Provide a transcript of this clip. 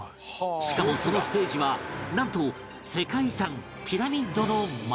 しかもそのステージはなんと世界遺産ピラミッドの前